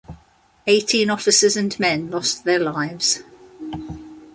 Eighteen officers and men lost their lives.